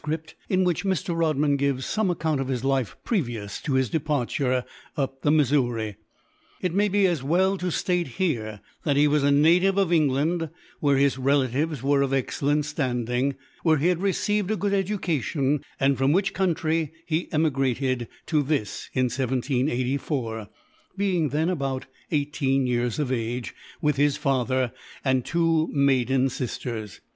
in which Mr. R. gives some account of his life previous to his departure up the Missouri, it may be as well to state here that he was a native of England, where his relatives were of excellent standing, where he had received a good education, and from which country he emigrated to this, in 1784, (being then about eighteen years of age,) with his father, and two maiden sisters.